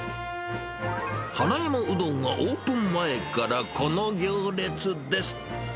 花山うどんはオープン前からこの行列です。